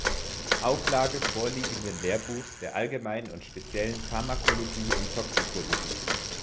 Auflage vorliegenden „Lehrbuchs der allgemeinen und speziellen Pharmakologie und Toxikologie“.